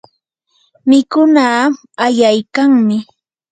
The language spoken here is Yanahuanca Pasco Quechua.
mikunaa ayaykanmi.